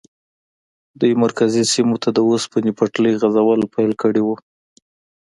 دوی مرکزي سیمو ته د اوسپنې پټلۍ غځول پیل کړي وو.